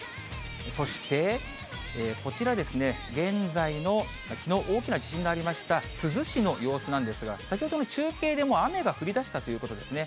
そして、こちらですね、現在の、きのう、大きな地震がありました、珠洲市の様子なんですが、先ほどの中継でも雨が降りだしたということですね。